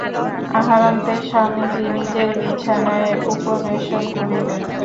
আহারান্তে স্বামীজী নিজের বিছানায় উপবেশন করিলেন।